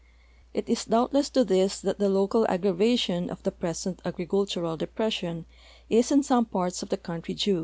It is doubtless to this that the local aggravation of the present agricultural depression is in some parts of the country due.